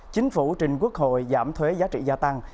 chính phủ trình quốc hội giảm thuế giá trị gia tăng